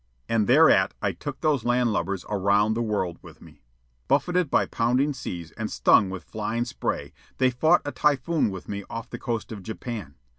And thereat I took those landlubbers around the world with me. Buffeted by pounding seas and stung with flying spray, they fought a typhoon with me off the coast of Japan.